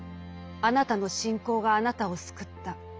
「あなたの信仰があなたを救った。